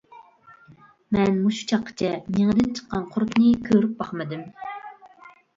مەن مۇشۇ چاققىچە مىڭىدىن چىققان قۇرۇتنى كۆرۈپ باقمىدىم.